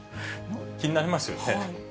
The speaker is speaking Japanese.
気になりますよね。